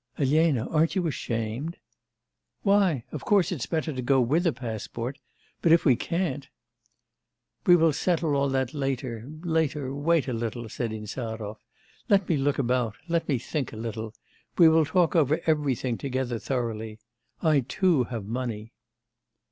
'Elena, aren't you ashamed?' 'Why? Of course it's better to go with a passport. But if we can't ' 'We will settle all that later, later, wait a little,' said Insarov. 'Let me look about; let me think a little. We will talk over everything together thoroughly. I too have money.